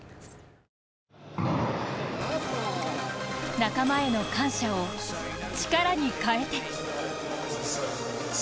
仲間への感謝を力に変えて。